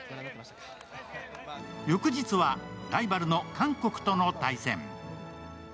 翌日はライバルの韓国との対戦。